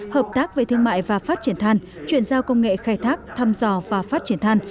hợp tác về thương mại và phát triển than chuyển giao công nghệ khai thác thăm dò và phát triển than